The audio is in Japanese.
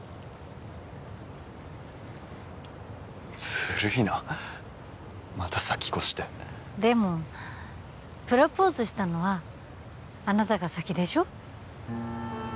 ずるいなまた先越してでもプロポーズしたのはあなたが先でしょ？